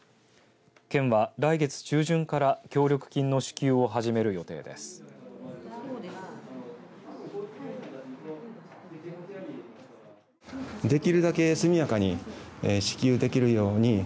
県は来月中旬から協力金の支給を始める予定です。